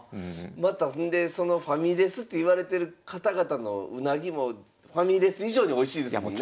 またほんでそのファミレスっていわれてる方々のウナギもファミレス以上においしいですもんね。